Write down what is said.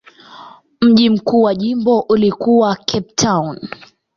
Mji mkuu wa jimbo ulikuwa Cape Town.